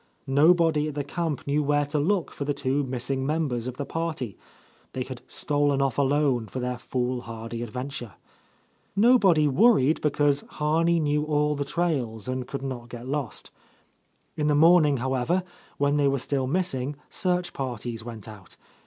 Nobody at the camp knew where to look for the two missing members of the party, — they had stolen off alone for their foolhardy adventure. Nobody worried, because Harney knew all the trails and could not get lost. In the morning, however, when they were still missing, searclr parties went out.